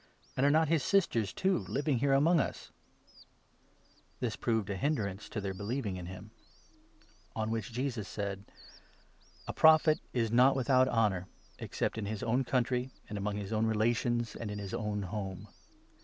And are not his sisters, too, living here among us ?" This proved a hindrance to their believing in him ; on which 4 Jesus said : "A Prophet is not without honour, except in his own country, and among his own relations, and in his own home."